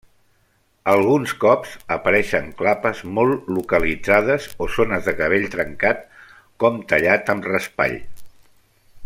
Alguns cops apareixen clapes molt localitzades o zones de cabell trencat, com tallat amb raspall.